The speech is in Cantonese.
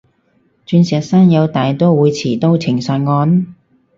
鑽石山又有大刀會持刀情殺案？